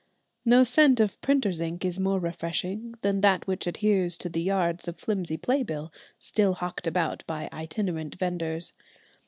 No scent of printer's ink is more refreshing than that which adheres to the yards of flimsy playbill still hawked about by itinerant vendors.